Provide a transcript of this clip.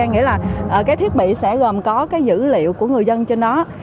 nghĩa là cái thiết bị sẽ gồm có cái dữ liệu của người dân trên nó